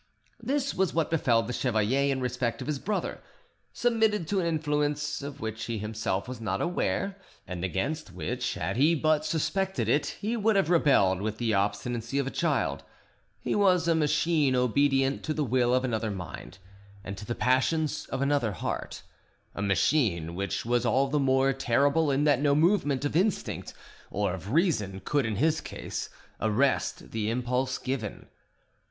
This was what befell the chevalier in respect of his brother: submitted to an influence of which he himself was not aware, and against which, had he but suspected it, he would have rebelled with the obstinacy of a child, he was a machine obedient to the will of another mind and to the passions of another heart, a machine which was all the more terrible in that no movement of instinct or of reason could, in his case, arrest the impulse given.